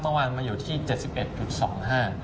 เมื่อวานมาอยู่ที่๗๑๒๕